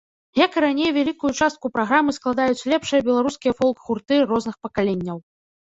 Як і раней, вялікую частку праграмы складаюць лепшыя беларускія фолк-гурты розных пакаленняў.